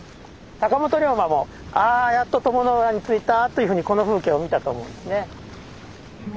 坂本龍馬も「あやっと鞆の浦に着いた」というふうにこの風景を見たと思うんですね。